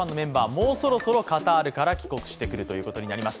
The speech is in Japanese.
もうそろそろカタールから帰国してくるということになります。